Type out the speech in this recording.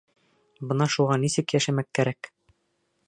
Бына шуға нисек йәшәмәк кәрәк?